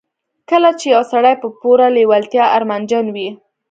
کله چې يو سړی په پوره لېوالتیا ارمانجن وي.